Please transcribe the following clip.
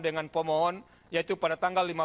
dengan pemohon yaitu pada tanggal